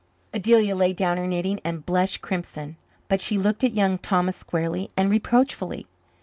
Adelia laid down her knitting and blushed crimson. But she looked at Young Thomas squarely and reproachfully.